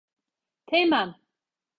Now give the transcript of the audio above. Teğmen!